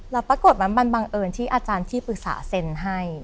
แล้วปรากฏว่ามันบังเอิญที่อาจารย์ที่ปรึกษาเซ็นให้